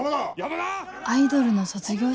アイドルの卒業式？